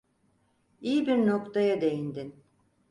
İyi bir noktaya değindin.